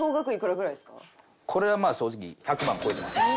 これはまあ正直１００万超えてます。